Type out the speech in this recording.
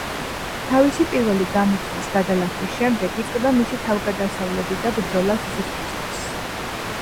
თავისი პირველი გამოცდის გადალახვის შემდეგ იწყება მისი თავგადასავლები და ბრძოლა სიცოცხლისთვის.